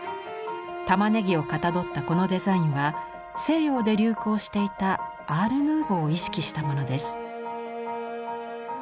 玉葱をかたどったこのデザインは西洋で流行していたアール・ヌーヴォーを意識したものです。